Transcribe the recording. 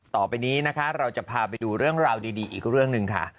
ต่อไปนี้นะคะเราจะพาไปดูเรื่องราวดีอีกเรื่องหนึ่งค่ะ